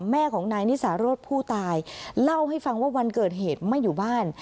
แม่ของนายนิสารสผู้ตายเล่าให้ฟังว่าวันเกิดเหตุไม่อยู่บ้าน